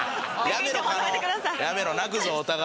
やめろ。